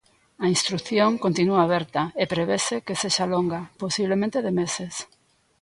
A instrución continúa aberta e prevese que sexa longa, posiblemente de meses.